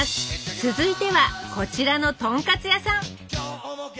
続いてはこちらのとんかつ屋さん。